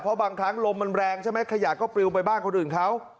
เพราะบางครั้งลมมันแรงใช่ไหมขยะก็ปลิวไปบ้านคนอื่นเขา